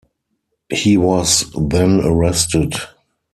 He was then arrested.